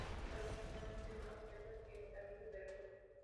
Lo que se traduce finalmente en más desechos y agotamiento de recursos.